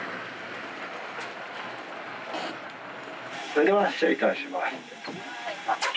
「それでは発車いたします」。